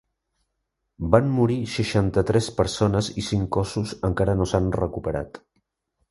Van morir seixanta-tres persones, i cinc cossos encara no s'han recuperat.